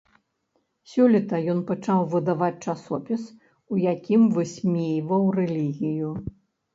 Сёлета ён пачаў выдаваць часопіс, у якім высмейваў рэлігію.